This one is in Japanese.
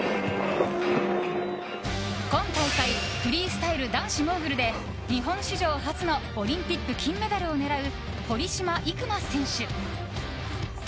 今大会フリースタイル男子モーグルで日本史上初のオリンピック金メダルを狙う堀島行真選手。